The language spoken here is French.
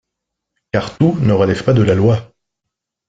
car tout ne relève pas de la loi.